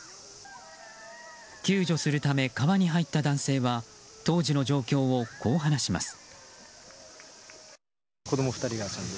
救助するため川に入った男性は当時の状況をこう話します。